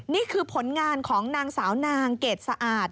นี่คือผลงานของนางสาวนางเกดสะอาด